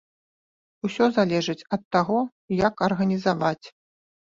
Усё залежыць ад таго як арганізаваць.